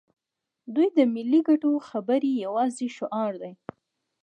دوی د ملي ګټو خبرې یوازې شعار دي.